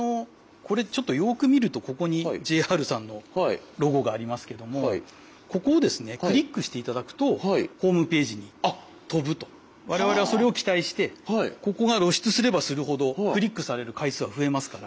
これちょっとよく見るとここにＪＲさんのロゴがありますけども我々はそれを期待してここが露出すればするほどクリックされる回数は増えますから。